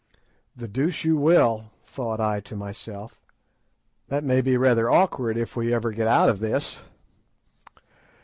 "The deuce you will!" thought I to myself; "that may be rather awkward if we ever get out of this."